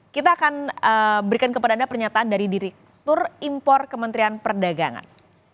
kita akan berikan kepada anda pernyataan dari direktur impor kementerian perdagangan